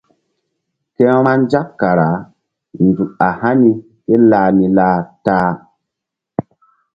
Ke vbanzak kara nzuk a hani ké lah ni lah ta-a.